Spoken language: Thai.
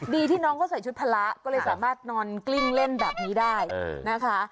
ดีที่น้องเขาใส่ชุดพละก็เลยสามารถนอนกลิ้งเล่นแบบนี้ได้นะคะ